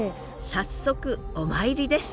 早速お参りです！